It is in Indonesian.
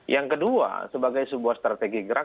yang kedua sebagai sebuah strategi gerak